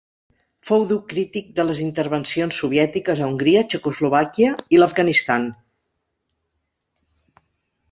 Fou dur crític de les intervencions soviètiques a Hongria, Txecoslovàquia i l'Afganistan.